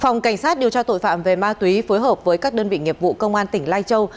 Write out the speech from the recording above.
phòng cảnh sát điều tra tội phạm về ma túy phối hợp với các đơn vị nghiệp vụ công an tỉnh lai châu